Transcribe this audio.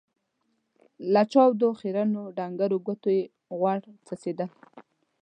له چاودو، خيرنو ، ډنګرو ګوتو يې غوړ څڅېدل.